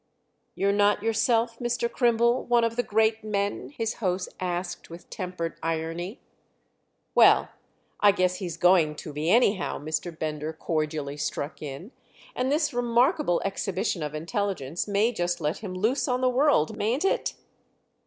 "You're not yourself, Mr. Crimble, one of the great men?" his host asked with tempered irony. "Well, I guess he's going to be, anyhow," Mr. Bender cordially struck in; "and this remarkable exhibition of intelligence may just let him loose on the world, mayn't it?"